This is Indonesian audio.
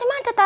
emang ada tam